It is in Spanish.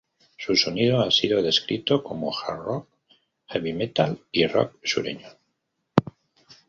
Su sonido ha sido descrito como hard rock, heavy metal y rock sureño.